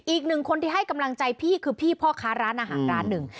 อีกหนึ่งคนที่ให้กำลังใจพี่คือพี่พ่อค้าร้านอาหารร้านหนึ่ง